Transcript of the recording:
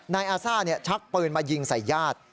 นายอาซ่าชักปืนมายิงใส่ญาติ